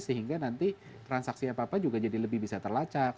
sehingga nanti transaksi apa apa juga jadi lebih bisa terlacak